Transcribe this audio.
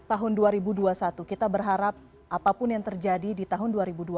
tahun dua ribu dua puluh satu kita berharap apapun yang terjadi di tahun dua ribu dua puluh